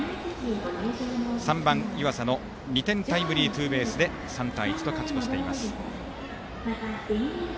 ３番、湯浅の２点タイムリーツーベースで３対１と勝ち越しています。